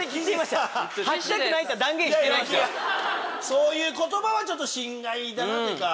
そういう言葉はちょっと心外だなというか。